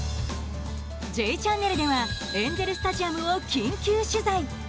「Ｊチャンネル」ではエンゼル・スタジアムを緊急取材。